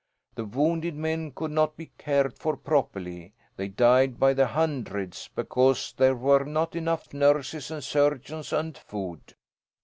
The wounded men could not be cared for properly. They died by the hundreds, because there were not enough nurses and surgeons and food.